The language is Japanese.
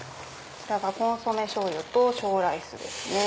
こちらがコンソメしょうゆと小ライスですね。